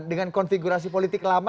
dengan konfigurasi politik lama